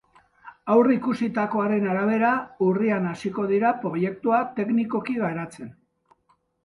Aurreikusitakoaren arabera, urrian hasiko dira proiektua teknikoki garatzen.